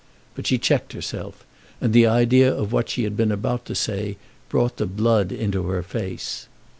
But she checked herself, and the idea of what she had been about to say brought the blood into her face.